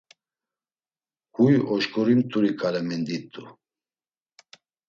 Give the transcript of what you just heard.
Huy Oşǩurimt̆uri ǩale mendit̆u.